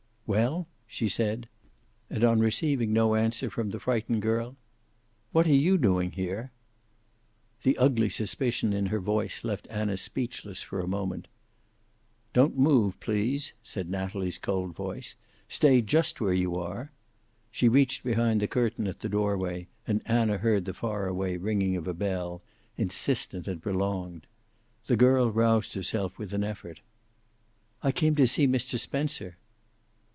"Well?" she said. And on receiving no answer from the frightened girl, "What are you doing here?" The ugly suspicion in her voice left Anna speechless for a moment. "Don't move, please," said Natalie's cold voice. "Stay just where you are." She reached behind the curtain at the doorway, and Anna heard the far away ringing of a bell, insistent and prolonged. The girl roused herself with an effort. "I came to see Mr. Spencer."